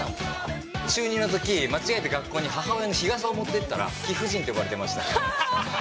中２の時、間違えて学校に母親の日傘を持っていったら貴婦人って呼ばれていました。